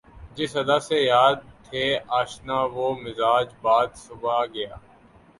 جس ادا سے یار تھے آشنا وہ مزاج باد صبا گیا